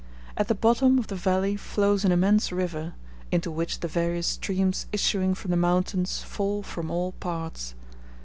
At the bottom of the valley flows an immense river, into which the various streams issuing from the mountains fall from all parts.